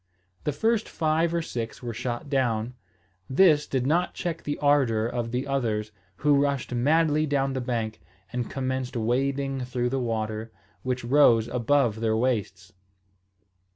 The first five or six were shot down. This did not check the ardour of the others, who rushed madly down the bank, and commenced wading through the water, which rose above their waists.